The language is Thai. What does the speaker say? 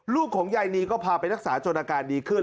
ลูกของยายนีก็พาไปรักษาจนอาการดีขึ้น